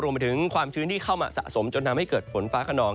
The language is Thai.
มาถึงความชื้นที่เข้ามาสะสมจนทำให้เกิดฝนฟ้าขนอง